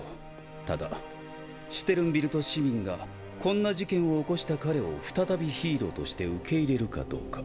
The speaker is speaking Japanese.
ただシュテルンビルト市民がこんな事件を起こした彼を再びヒーローとして受け入れるかどうか。